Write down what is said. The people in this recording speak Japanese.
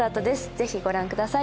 ぜひご覧ください。